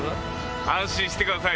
安心してください。